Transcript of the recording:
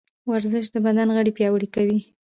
ورزش د بدن غړي پیاوړي کوي.